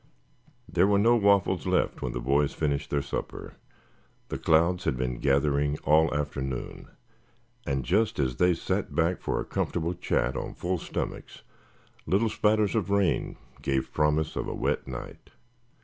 There were no waffles left when the boys finished their supper. The clouds had been gathering all the afternoon, and just as they sat back for a comfortable chat on full stomachs, little spatters of rain gave promise of a wet night.